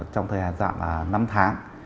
trong thời gian dạng năm tháng